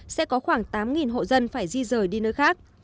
sẽ có khoảng tám hộ dân phải di rời đi nơi khác